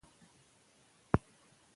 تاسو ځانګړي یاست.